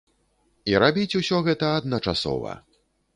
І рабіць усё гэта адначасова.